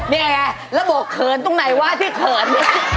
นี่ไงระบบเขินตรงไหนวะที่เขิน